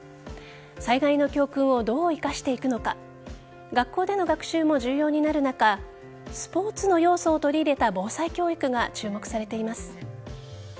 災害の教訓をどう生かしていくのか学校での学習も重要になる中スポーツの要素を取り入れた防災教育が注目されています。